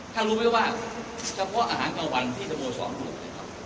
ท่านรู้มั้ยว่าเฉพาะอาหารกับวันที่สมมติสองกลุ่ม